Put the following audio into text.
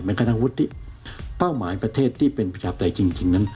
แม้กระดับวุฒิเป้าหมายประเทศที่เป็นประจาบใดจริงนั้น